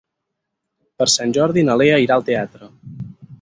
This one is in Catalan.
Per Sant Jordi na Lea irà al teatre.